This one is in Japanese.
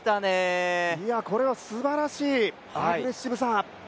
これは、すばらしいアグレッシブさ。